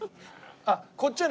あっこっちはね